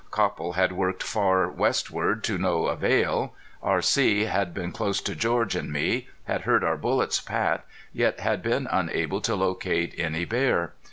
Copple had worked far westward, to no avail. R.C. had been close to George and me, had heard our bullets pat, yet had been unable to locate any bear.